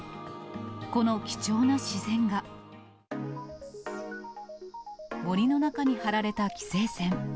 この貴重な自然が、森の中に張られた規制線。